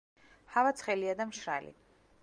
ჰავა ცხელია და მშრალი.